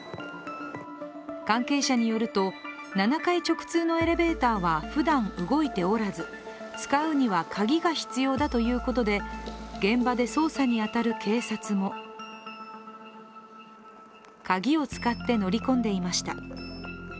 関係者によると、７階直通のエレベーターはふだん動いておらず、使うには鍵が必要だということで現場で捜査に当たる警察も鍵を使って、乗り込んでいました。